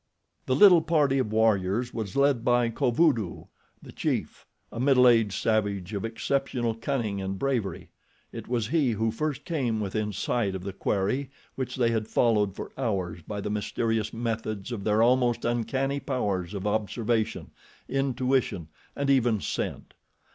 The little party of warriors was led by Kovudoo, the chief; a middle aged savage of exceptional cunning and bravery. It was he who first came within sight of the quarry which they had followed for hours by the mysterious methods of their almost uncanny powers of observation, intuition, and even scent.